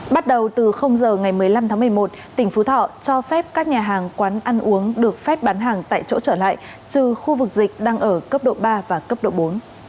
bắt đầu từ giờ ngày một mươi năm tháng một mươi một tỉnh phú thọ cho phép các nhà hàng quán ăn uống được phép bán hàng tại chỗ trở lại trừ khu vực dịch đang ở cấp độ ba và cấp độ bốn